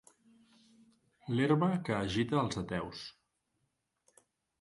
L'herba que agita els ateus.